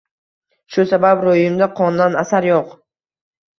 Shu sabab ro’yimda qondan asar yo’q.